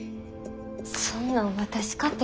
そんなん私かて。